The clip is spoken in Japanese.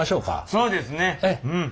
そうですねうん。